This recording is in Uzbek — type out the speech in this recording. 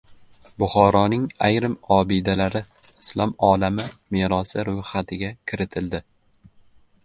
Buxoroning ayrim obidalari Islom olami merosi ro‘yxatiga kiritildi